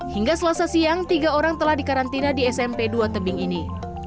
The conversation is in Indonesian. hingga selasa siang tiga orang telah dikarantina di smp dua tebing ini